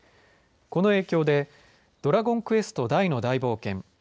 この影響でドラゴンクエストダイの大冒険